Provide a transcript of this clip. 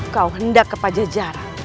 kau hendak kepada jarak